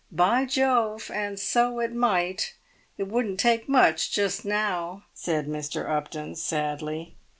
"By Jove, and so it might! It wouldn't take much just now," said Mr. Upton, sadly.